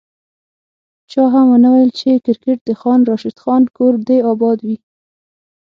چا هم ونه ویل چي کرکیټ د خان راشد خان کور دي اباد وي